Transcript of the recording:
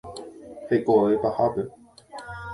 Hekove pahápe.